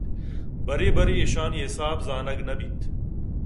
برے برے ایشانی حساب زانگ نہ بیت